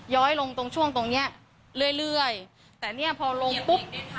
้อยลงตรงช่วงตรงเนี้ยเรื่อยเรื่อยแต่เนี้ยพอลงปุ๊บ